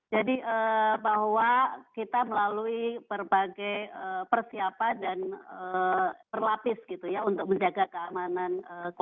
jadi bahwa kita melalui berbagai persiapan dan berlapis gitu ya untuk menjaga keamanan